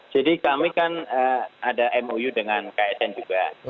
jadi kami kan ada mou dengan ksn juga